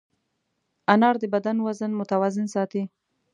انار د بدن وزن متوازن ساتي.